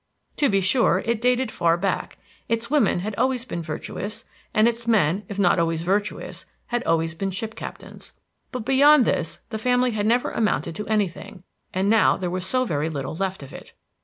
To be sure, it dated far back; its women had always been virtuous, and its men, if not always virtuous, had always been ship captains. But beyond this the family had never amounted to anything, and now there was so very little left of it.